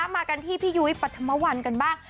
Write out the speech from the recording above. มากันที่พี่ยุ้ยปรัฐมวัลกันบ้าง